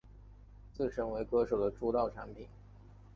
自身为歌手的出道作品。